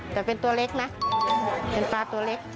แต่เป็นตัวเล็กนะเป็นปลาตัวเล็ก